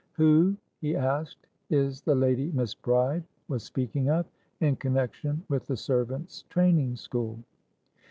"Who," he asked, "is the lady Miss Bride was speaking of, in connection with the servant's training school?"